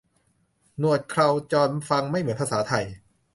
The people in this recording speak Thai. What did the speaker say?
หนวด เครา จอน ฟังไม่เหมือนภาษาไทย